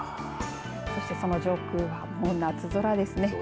そしてその上空はこんな夏空ですね。